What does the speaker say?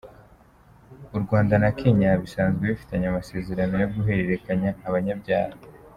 U Rwanda na Kenya bisanzwe bifitanye amasezerano yo guhererekanya abanyabyaha.